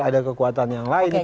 ada kekuatan yang lain